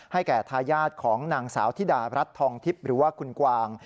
แก่ทายาทของนางสาวธิดารัฐทองทิพย์หรือว่าคุณกวาง